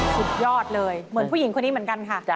สุดยอดเลยเหมือนผู้หญิงคนนี้เหมือนกันค่ะ